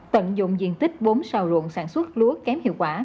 tận dụng diện tích bốn sao ruộng sản xuất lúa kém hiệu quả